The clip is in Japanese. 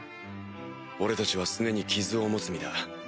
俺たちはスネに傷を持つ身だ。